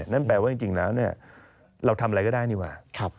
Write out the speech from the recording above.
นั่นแปลว่าจริงแล้วเราทำอะไรก็ได้ดีกว่า